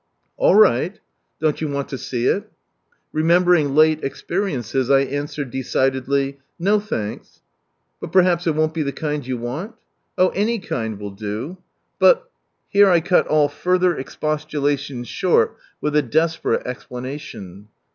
" All right !"" Don't you want to see it ?" Remembering late experiences I answer decidedly, " No, thanks," "But perhaps it won't be the kind you want?" " Oh, any kind will do." "But ——" Here I cut all further expostulations short with a desperate explanation.